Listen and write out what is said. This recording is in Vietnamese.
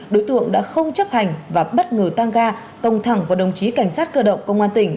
đối tượng đã không chấp hành và bất ngờ tăng ga tông thẳng vào đồng chí cảnh sát cơ động công an tỉnh